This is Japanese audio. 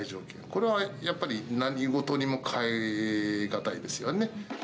これはやっぱり何事にも代え難いですよね。